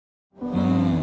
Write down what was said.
うん。